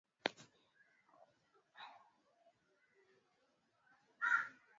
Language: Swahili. Ngoma imepigwa.